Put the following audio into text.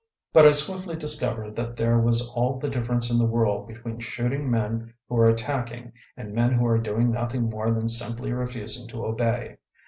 But I swiftly discovered that there was all the difference in the world between shooting men who are attacking and men who are doing nothing more than simply refusing to obey.